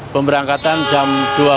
pemberangkatan jam dua puluh